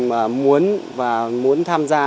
mà muốn và muốn tham gia